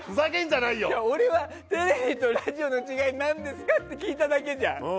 俺はテレビとラジオの違いは何ですかって聞いただけじゃん。